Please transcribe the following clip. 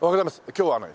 今日はね